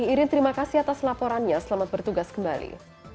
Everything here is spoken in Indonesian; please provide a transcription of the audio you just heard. irin terima kasih atas laporannya selamat bertugas kembali